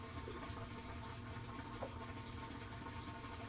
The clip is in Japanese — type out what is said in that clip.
為せば成る為さねば成らぬ何事も。